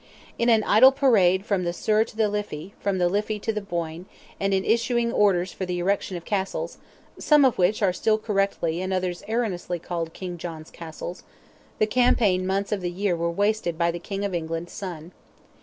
In an idle parade from the Suir to the Liffey, from the Liffey to the Boyne, and in issuing orders for the erection of castles, (some of which are still correctly and others erroneously called King John's Castles,) the campaign months of the year were wasted by the King of England's son.